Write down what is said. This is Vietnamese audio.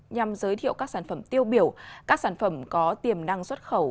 nhằm giới thiệu các sản phẩm tiêu biểu các sản phẩm có tiềm năng xuất khẩu